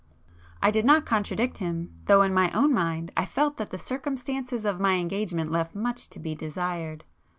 I did not contradict him, though in my own mind I felt that the circumstances of my engagement left much to be desired.